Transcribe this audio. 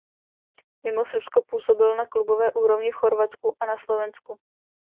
Mimo Srbsko působil na klubové úrovni v Chorvatsku a na Slovensku.